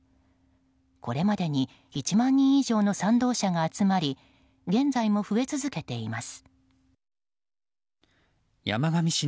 これまでに１万人以上の賛同者が集まり現在も増え続けています。